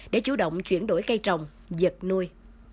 để chủ động chuyển đổi cây trồng giật nuôi